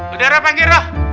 udah roh pagi roh